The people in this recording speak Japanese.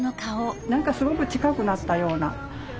何かすごく近くなったような。